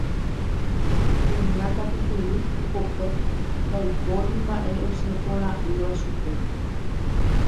Kuña katupyry hekópe ndaipóri mba'e osẽ porã'ỹva chupe.